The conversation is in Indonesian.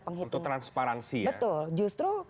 penghitung untuk transparansi ya betul justru